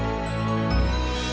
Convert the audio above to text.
yaudah gue jalan dulu ya